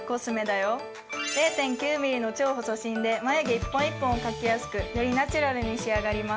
０．９ｍｍの超細芯で眉毛一本一本を描きやすくよりナチュラルに仕上がります。